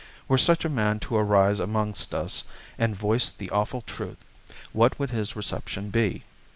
Were such a man to arise amongst us and voice the awful truth, what would his reception be?